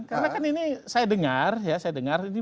karena kan ini saya dengar ya